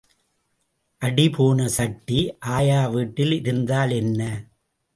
அடிபோன சட்டி ஆயா வீட்டில் இருந்தால் என்ன?